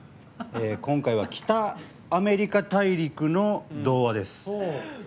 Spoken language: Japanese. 今回は北アメリカ大陸の童話です。